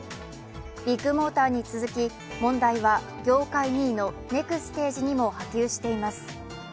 ビッグモーターに続き、問題は業界２位のネクステージにも波及しています。